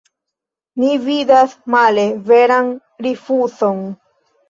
Ni vidas male veran rifuzon.